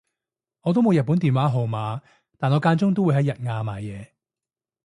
我都冇日本電話號碼但我間中都會喺日亞買嘢